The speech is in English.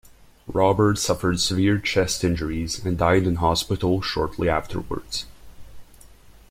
Robert suffered severe chest injuries and died in hospital shortly afterwards.